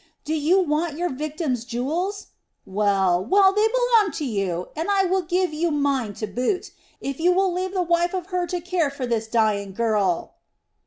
Do you want your victim's jewels? Well, well; they belong to you, and I will give you mine to boot, if you will leave the wife of Hur to care for this dying girl!"